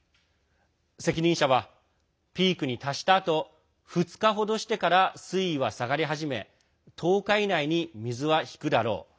責任者は、ピークに達したあと２日程してから水位は下がり始め１０日以内に水は引くだろう。